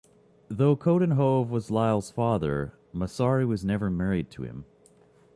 Though Coudenhove was Liesl's father, Massary was never married to him.